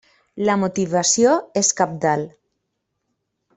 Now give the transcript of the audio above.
La motivació és cabdal.